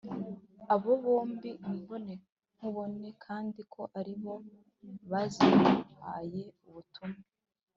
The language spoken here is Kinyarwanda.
ababombi imbonankubone kandi ko ari bo bari bazihayeubutumwa